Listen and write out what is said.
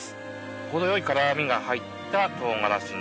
程良い辛みが入った唐辛子になります。